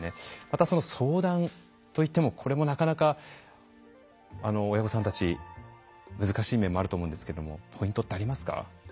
また相談といってもこれもなかなか親御さんたち難しい面もあると思うんですけれどもポイントってありますか？